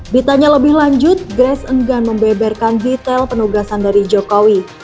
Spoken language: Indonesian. ditanya lebih lanjut grace enggan membeberkan detail penugasan dari jokowi